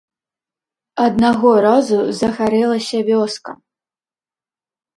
Аднаго разу загарэлася вёска.